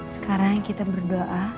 sekarang kita berdoa